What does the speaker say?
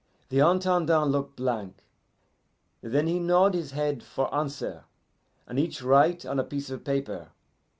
"The Intendant look blank; then he nod his head for answer, and each write on a piece of paper.